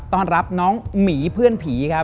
ต้อนรับน้องหมีเพื่อนผีครับ